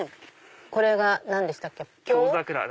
これが何でしたっけ？